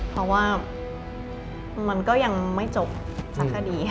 เพราะว่ามันก็ยังไม่จบสักคดีค่ะ